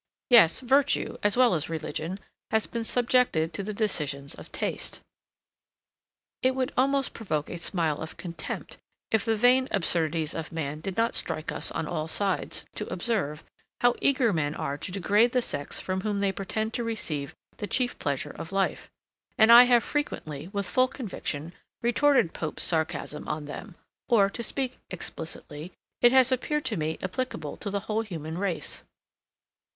Yes, virtue as well as religion, has been subjected to the decisions of taste. It would almost provoke a smile of contempt, if the vain absurdities of man did not strike us on all sides, to observe, how eager men are to degrade the sex from whom they pretend to receive the chief pleasure of life; and I have frequently, with full conviction, retorted Pope's sarcasm on them; or, to speak explicitly, it has appeared to me applicable to the whole human race.